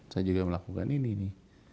saya juga melakukan ini